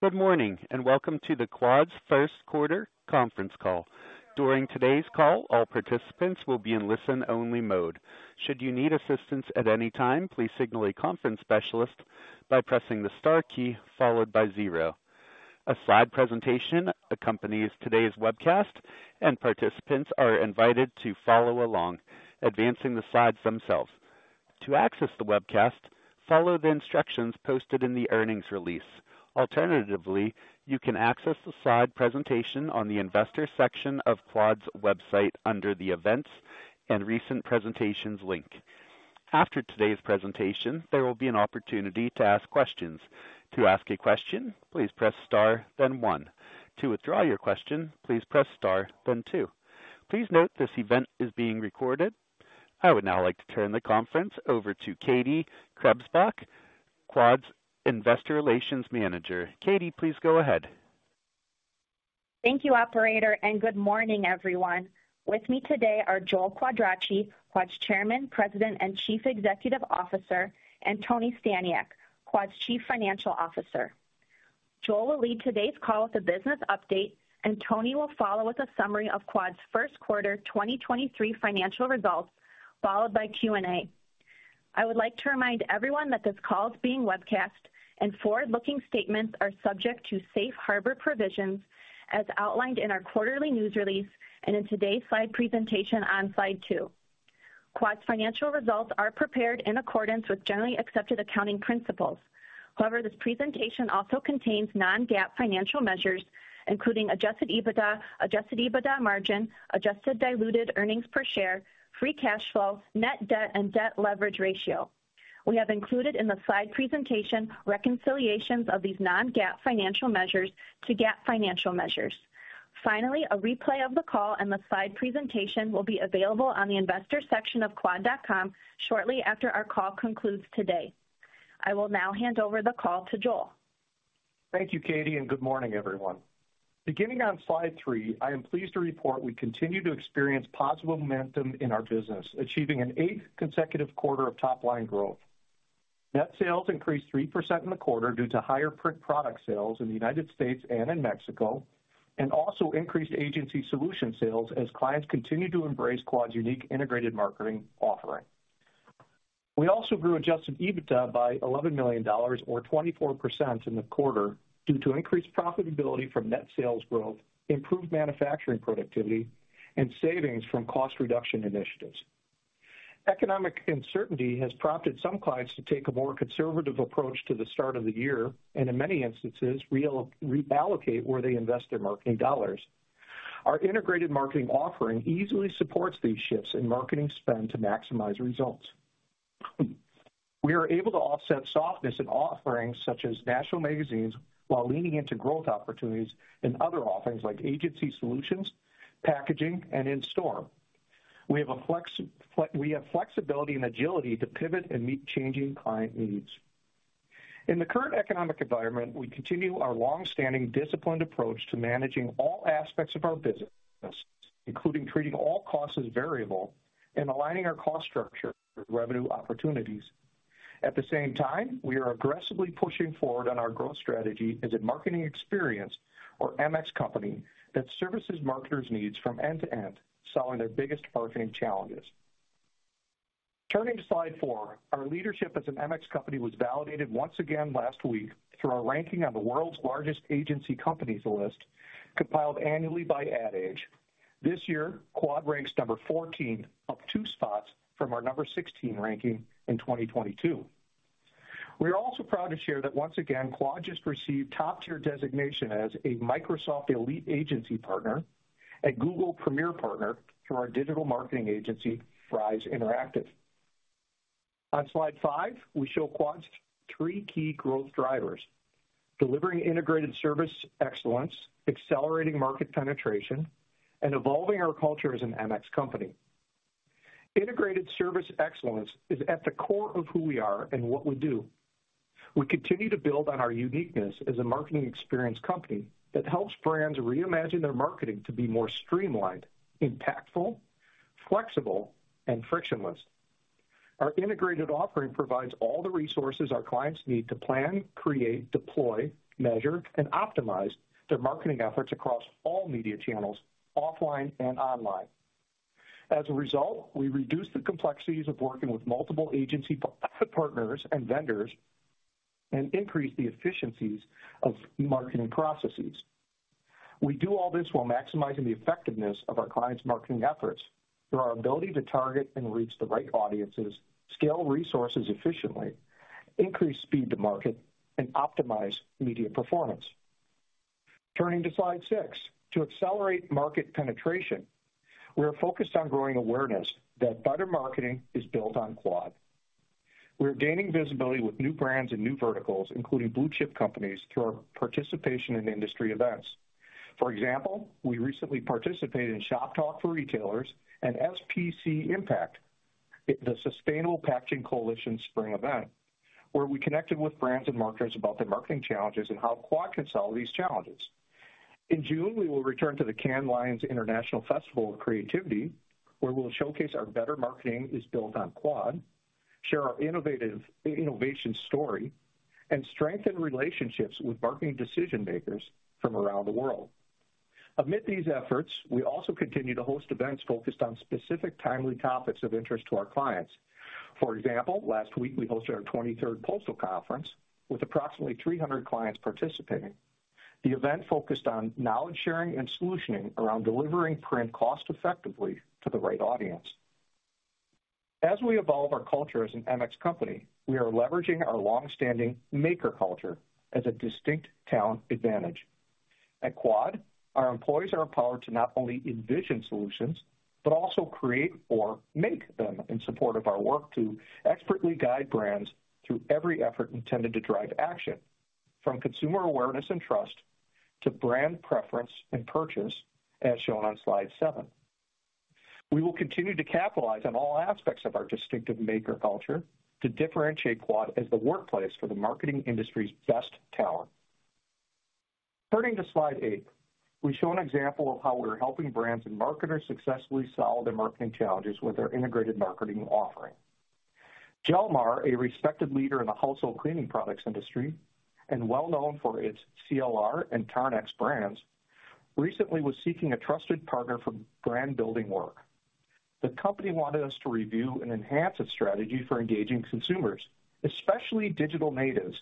Good morning, and welcome to the Quad's First Quarter Conference Call. During today's call, all participants will be in listen-only mode. Should you need assistance at any time, please signal a conference specialist by pressing the star key followed by zero. A slide presentation accompanies today's webcast, and participants are invited to follow along, advancing the slides themselves. To access the webcast, follow the instructions posted in the earnings release. Alternatively, you can access the slide presentation on the investor section of Quad's website under the Events and Recent Presentations link. After today's presentation, there will be an opportunity to ask questions. To ask a question, please press star, then one. To withdraw your question, please press star then two. Please note this event is being recorded. I would now like to turn the conference over to Katie Krebsbach, Quad's Investor Relations Manager. Katie, please go ahead. Thank you, Operator. Good morning, everyone. With me today are Joel Quadracci, Quad's Chairman, President and Chief Executive Officer, and Tony Staniak, Quad's Chief Financial Officer. Joel will lead today's call with a business update and Tony will follow with a summary of Quad's first quarter 2023 financial results, followed by Q&A. I would like to remind everyone that this call is being webcast and forward-looking statements are subject to Safe Harbor provisions as outlined in our quarterly news release and in today's slide presentation on slide 2. Quad's financial results are prepared in accordance with generally accepted accounting principles. However, this presentation also contains non-GAAP financial measures, including adjusted EBITDA, adjusted EBITDA margin, adjusted diluted earnings per share, free cash flow, net debt, and debt leverage ratio. We have included in the slide presentation reconciliations of these non-GAAP financial measures to GAAP financial measures. A replay of the call and the slide presentation will be available on the investors section of quad.com shortly after our call concludes today. I will now hand over the call to Joel. Thank you, Katie. Good morning, everyone. Beginning on slide 3, I am pleased to report we continue to experience positive momentum in our business, achieving an eighth consecutive quarter of top line growth. Net sales increased 3% in the quarter due to higher print product sales in the United States and in Mexico, also increased agency solution sales as clients continue to embrace Quad's unique integrated marketing offering. We also grew adjusted EBITDA by $11 million or 24% in the quarter due to increased profitability from net sales growth, improved manufacturing productivity, and savings from cost reduction initiatives. Economic uncertainty has prompted some clients to take a more conservative approach to the start of the year, in many instances, reallocate where they invest their marketing dollars. Our integrated marketing offering easily supports these shifts in marketing spend to maximize results. We are able to offset softness in offerings such as national magazines while leaning into growth opportunities in other offerings like agency solutions, packaging, and in-store. We have flexibility and agility to pivot and meet changing client needs. In the current economic environment, we continue our long-standing disciplined approach to managing all aspects of our business, including treating all costs as variable and aligning our cost structure with revenue opportunities. At the same time, we are aggressively pushing forward on our growth strategy as a marketing experience or MX company that services marketers needs from end to end, solving their biggest marketing challenges. Turning to slide four. Our leadership as an MX company was validated once again last week through our ranking on the world's largest agency companies list compiled annually by Ad Age. This year, Quad ranks number 14, up two spots from our number 16 ranking in 2022. We are also proud to share that once again, Quad just received top tier designation as a Microsoft Elite agency partner and Google Premier Partner through our digital marketing agency, Rise Interactive. On slide 5, we show Quad's three key growth drivers: delivering integrated service excellence, accelerating market penetration, and evolving our culture as an MX company. Integrated service excellence is at the core of who we are and what we do. We continue to build on our uniqueness as a marketing experience company that helps brands reimagine their marketing to be more streamlined, impactful, flexible, and frictionless. Our integrated offering provides all the resources our clients need to plan, create, deploy, measure, and optimize their marketing efforts across all media channels, offline and online. We reduce the complexities of working with multiple agency partners and vendors and increase the efficiencies of marketing processes. We do all this while maximizing the effectiveness of our clients' marketing efforts through our ability to target and reach the right audiences, scale resources efficiently, increase speed to market, and optimize media performance. Turning to slide 6. To accelerate market penetration, we are focused on growing awareness that better marketing is built on Quad. We are gaining visibility with new brands and new verticals, including blue chip companies, through our participation in industry events. For example, we recently participated in Shoptalk for retailers and SPC Impact, the Sustainable Packaging Coalition spring event, where we connected with brands and marketers about their marketing challenges and how Quad can solve these challenges. In June, we will return to the Cannes Lions International Festival of Creativity, where we'll showcase our better marketing is built on Quad, share our innovation story, and strengthen relationships with marketing decision-makers from around the world. Amid these efforts, we also continue to host events focused on specific timely topics of interest to our clients. For example, last week we hosted our 23rd postal conference with approximately 300 clients participating. The event focused on knowledge sharing and solutioning around delivering print cost effectively to the right audience. As we evolve our culture as an MX company, we are leveraging our long-standing maker culture as a distinct talent advantage. At Quad, our employees are empowered to not only envision solutions, but also create or make them in support of our work to expertly guide brands through every effort intended to drive action from consumer awareness and trust to brand preference and purchase, as shown on slide 7. We will continue to capitalize on all aspects of our distinctive maker culture to differentiate Quad as the workplace for the marketing industry's best talent. Turning to slide 8, we show an example of how we're helping brands and marketers successfully solve their marketing challenges with their integrated marketing offering. Jelmar, a respected leader in the household cleaning products industry and well known for its CLR and Tarn-X brands, recently was seeking a trusted partner for brand building work. The company wanted us to review and enhance its strategy for engaging consumers, especially digital natives,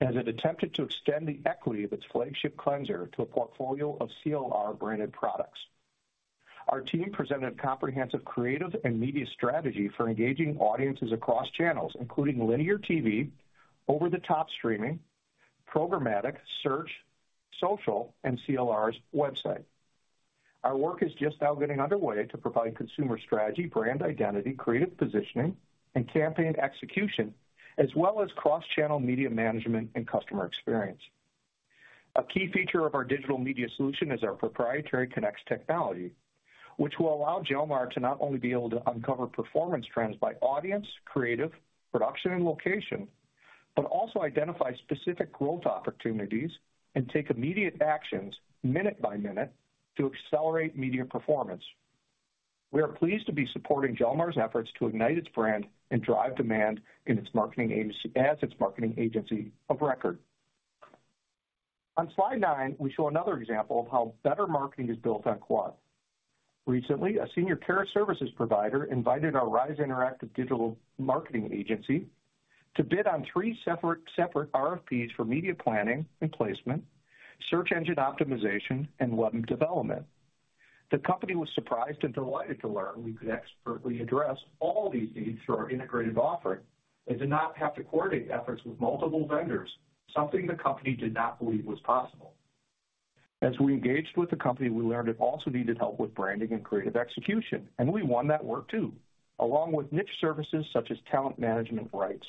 as it attempted to extend the equity of its flagship cleanser to a portfolio of CLR branded products. Our team presented a comprehensive creative and media strategy for engaging audiences across channels, including linear TV, over-the-top streaming, programmatic, search, social, and CLR's website. Our work is just now getting underway to provide consumer strategy, brand identity, creative positioning, and campaign execution, as well as cross-channel media management and customer experience. A key feature of our digital media solution is our proprietary Connex technology, which will allow Jelmar to not only be able to uncover performance trends by audience, creative, production, and location, but also identify specific growth opportunities and take immediate actions minute by minute to accelerate media performance. We are pleased to be supporting Jelmar's efforts to ignite its brand and drive demand as its marketing agency of record. On slide 9, we show another example of how better marketing is built on Quad. Recently, a senior care services provider invited our Rise Interactive digital marketing agency to bid on 3 separate RFPs for media planning and placement, search engine optimization, and web development. The company was surprised and delighted to learn we could expertly address all these needs through our integrated offering. They did not have to coordinate efforts with multiple vendors, something the company did not believe was possible. As we engaged with the company, we learned it also needed help with branding and creative execution. We won that work too, along with niche services such as talent management rights.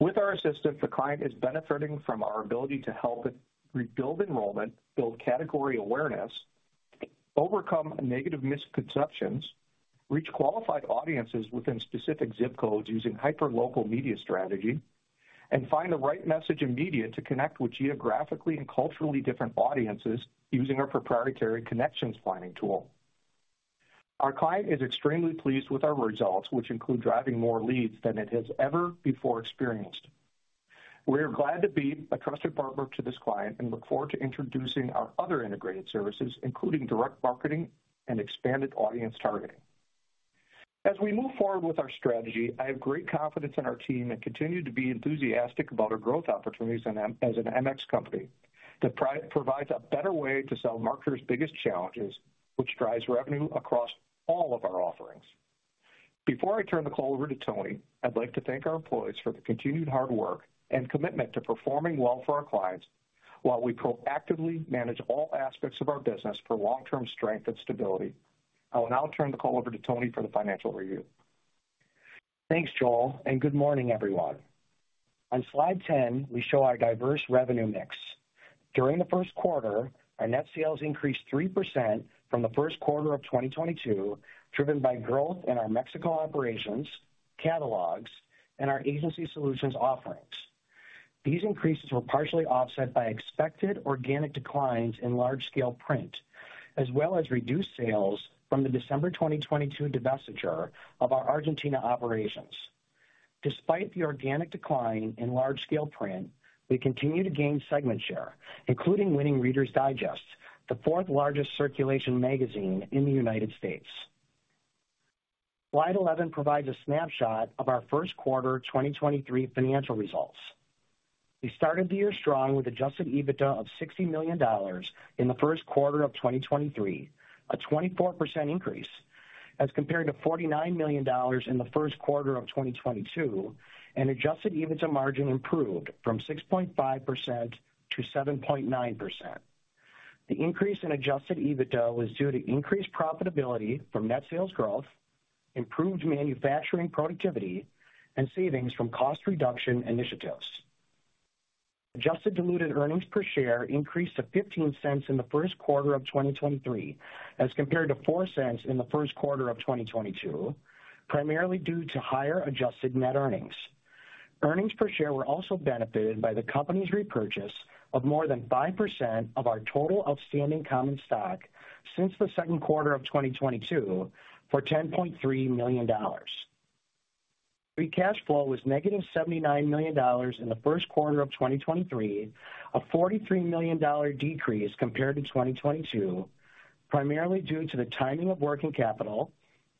With our assistance, the client is benefiting from our ability to help it rebuild enrollment, build category awareness, overcome negative misconceptions, reach qualified audiences within specific zip codes using hyperlocal media strategy, and find the right message and media to connect with geographically and culturally different audiences using our proprietary Connections planning tool. Our client is extremely pleased with our results, which include driving more leads than it has ever before experienced. We are glad to be a trusted partner to this client and look forward to introducing our other integrated services, including direct marketing and expanded audience targeting. As we move forward with our strategy, I have great confidence in our team and continue to be enthusiastic about our growth opportunities as an MX company that provides a better way to solve marketers' biggest challenges, which drives revenue across all of our offerings. Before I turn the call over to Tony, I'd like to thank our employees for the continued hard work and commitment to performing well for our clients while we proactively manage all aspects of our business for long-term strength and stability. I will now turn the call over to Tony for the financial review. Thanks, Joel. Good morning, everyone. On slide 10, we show our diverse revenue mix. During the first quarter, our net sales increased 3% from the first quarter of 2022, driven by growth in our Mexico operations, catalogs, and our agency solutions offerings. These increases were partially offset by expected organic declines in large-scale print, as well as reduced sales from the December 2022 divestiture of our Argentina operations. Despite the organic decline in large-scale print, we continue to gain segment share, including winning Reader's Digest, the fourth largest circulation magazine in the United States. Slide 11 provides a snapshot of our first quarter 2023 financial results. We started the year strong with adjusted EBITDA of $60 million in the first quarter of 2023, a 24% increase as compared to $49 million in the first quarter of 2022. Adjusted EBITDA margin improved from 6.5%-7.9%. The increase in adjusted EBITDA was due to increased profitability from net sales growth, improved manufacturing productivity, and savings from cost reduction initiatives. Adjusted diluted earnings per share increased to $0.15 in the first quarter of 2023, as compared to $0.04 in the first quarter of 2022, primarily due to higher adjusted net earnings. Earnings per share were also benefited by the company's repurchase of more than 5% of our total outstanding common stock since the second quarter of 2022 for $10.3 million. Free cash flow was -$79 million in the first quarter of 2023, a $43 million decrease compared to 2022, primarily due to the timing of working capital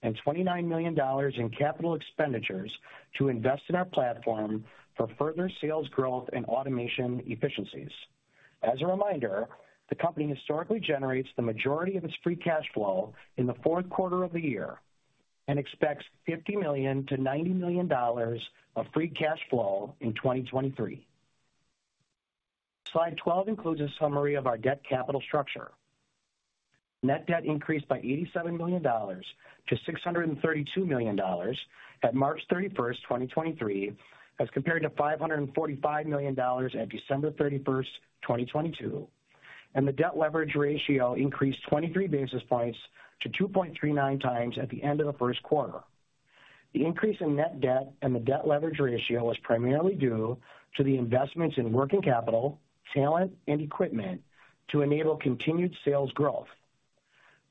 and $29 million in capital expenditures to invest in our platform for further sales growth and automation efficiencies. As a reminder, the company historically generates the majority of its free cash flow in the fourth quarter of the year and expects $50 million-$90 million of free cash flow in 2023. Slide 12 includes a summary of our debt capital structure. Net debt increased by $87 million-$632 million at March 31st, 2023, as compared to $545 million at December 31st, 2022. The debt leverage ratio increased 23 basis points to 2.39x at the end of the first quarter. The increase in net debt and the debt leverage ratio was primarily due to the investments in working capital, talent, and equipment to enable continued sales growth.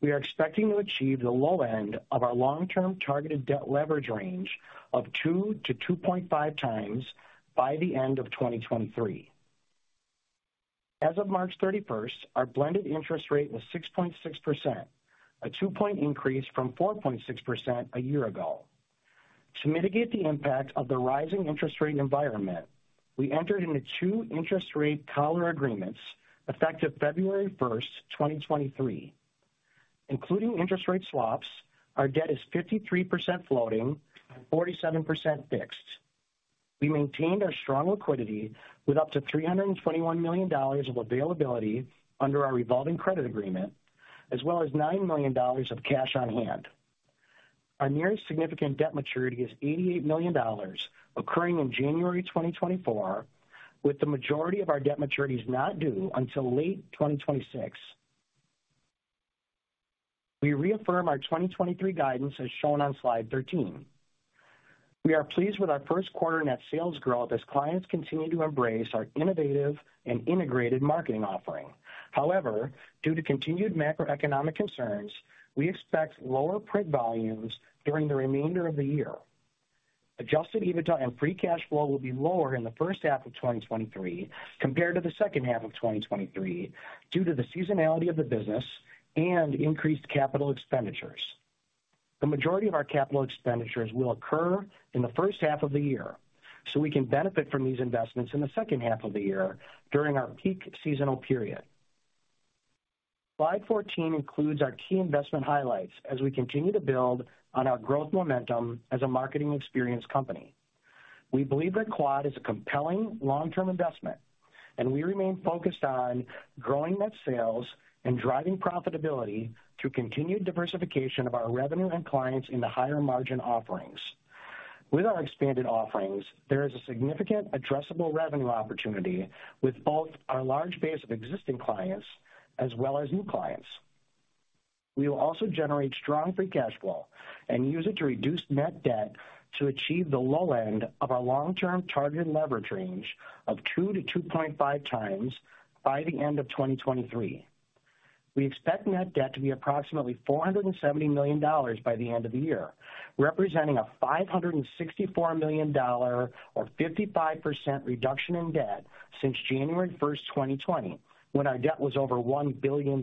We are expecting to achieve the low end of our long-term targeted debt leverage range of 2x-2.5x by the end of 2023. As of March 31, our blended interest rate was 6.6%, a 2-point increase from 4.6% a year ago. To mitigate the impact of the rising interest rate environment, we entered into two interest rate collar agreements effective February 1st, 2023. Including interest rate swaps, our debt is 53% floating and 47% fixed. We maintained our strong liquidity with up to $321 million of availability under our revolving credit agreement as well as $9 million of cash on hand. Our nearest significant debt maturity is $88 million occurring in January 2024, with the majority of our debt maturities not due until late 2026. We reaffirm our 2023 guidance, as shown on slide 13. We are pleased with our first quarter net sales growth as clients continue to embrace our innovative and integrated marketing offering. Due to continued macroeconomic concerns, we expect lower print volumes during the remainder of the year. Adjusted EBITDA and free cash flow will be lower in the first half of 2023 compared to the second half of 2023 due to the seasonality of the business and increased capital expenditures. The majority of our capital expenditures will occur in the first half of the year, so we can benefit from these investments in the second half of the year during our peak seasonal period. Slide 14 includes our key investment highlights as we continue to build on our growth momentum as a marketing experience company. We believe that Quad is a compelling long-term investment, and we remain focused on growing net sales and driving profitability through continued diversification of our revenue and clients in the higher margin offerings. With our expanded offerings, there is a significant addressable revenue opportunity with both our large base of existing clients as well as new clients. We will also generate strong free cash flow and use it to reduce net debt to achieve the low end of our long-term targeted leverage range of 2x-2.5x by the end of 2023. We expect net debt to be approximately $470 million by the end of the year, representing a $564 million or 55% reduction in debt since January 1st, 2020, when our debt was over $1 billion.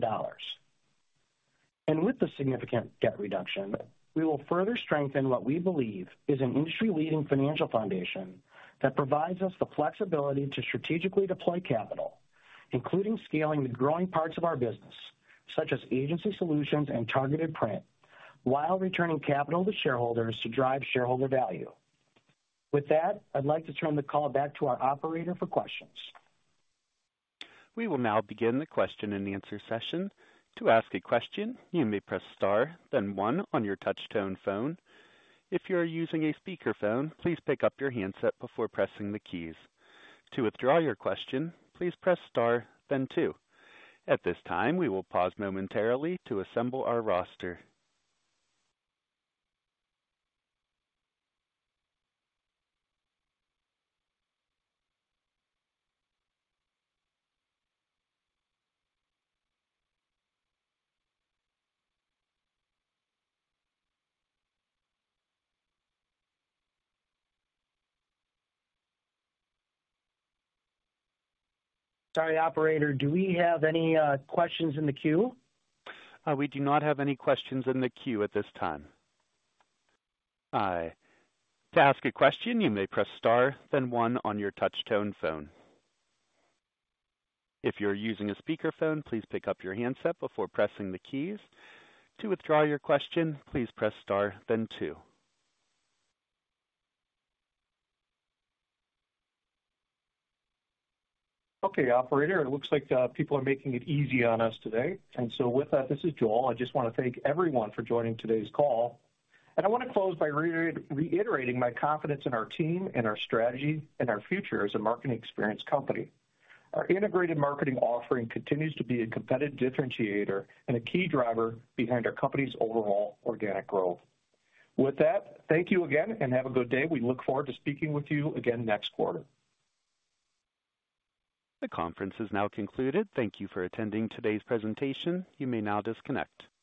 With the significant debt reduction, we will further strengthen what we believe is an industry-leading financial foundation that provides us the flexibility to strategically deploy capital, including scaling the growing parts of our business, such as agency solutions and targeted print, while returning capital to shareholders to drive shareholder value. With that, I'd like to turn the call back to our operator for questions. We will now begin the question-and-answer session. To ask a question, you may press star then one on your touch-tone phone. If you are using a speakerphone, please pick up your handset before pressing the keys. To withdraw your question, please press star then two. At this time, we will pause momentarily to assemble our roster. Sorry, operator. Do we have any questions in the queue? We do not have any questions in the queue at this time. To ask a question, you may press star then one on your touch tone phone. If you're using a speakerphone, please pick up your handset before pressing the keys. To withdraw your question, please press star then two. Okay, operator. It looks like people are making it easy on us today. With that, this is Joel. I just wanna thank everyone for joining today's call. I wanna close by reiterating my confidence in our team and our strategy and our future as a marketing experience company. Our integrated marketing offering continues to be a competitive differentiator and a key driver behind our company's overall organic growth. With that, thank you again and have a good day. We look forward to speaking with you again next quarter. The conference is now concluded. Thank you for attending today's presentation. You may now disconnect.